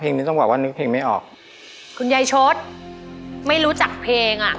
นี้ต้องบอกว่านึกเพลงไม่ออกคุณยายชดไม่รู้จักเพลงอ่ะ